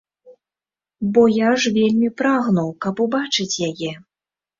Бо я ж вельмі прагну, каб убачыць яе.